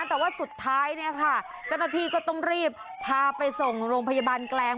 แต่ว่าสุดท้ายเนี่ยค่ะเจ้าหน้าที่ก็ต้องรีบพาไปส่งโรงพยาบาลแกลง